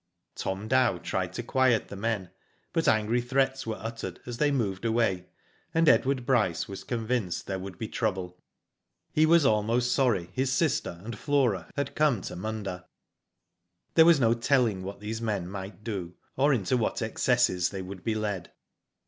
Tom Dow tried to quiet the men, but angry threats were uttered, as they moved away, and Edward Bryce was convinced thei^ would be trouble. He was almost sorry his sister and Flora had come to Munda. There was no telling what these men might do, or into what excesses they would be led.